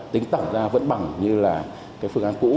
tính tổng ra vẫn bằng như phương án cũ